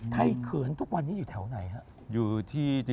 ไทเขินทุกวันนี้อยู่แถวไหนฮะ